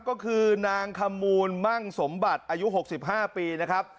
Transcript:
ก็คือนางขมูลมั่งสมบัติอายุ๖๕ปีนะครับ